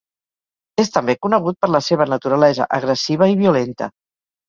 És també conegut per la seva naturalesa agressiva i violenta.